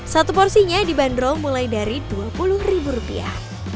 satu porsinya dibanderol mulai dari dua puluh ribu rupiah